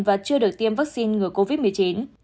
và chưa được tiêm vaccine ngừa covid một mươi chín